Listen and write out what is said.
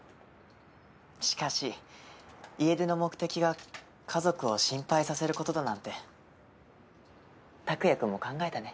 しかし家出の目的が家族を心配させる事だなんてタクヤくんも考えたね。